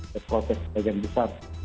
protes pegan besar